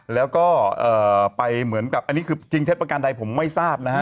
แล้วก็ไปเหมือนกับอันนี้คือจริงเท็จประการใดผมไม่ทราบนะฮะ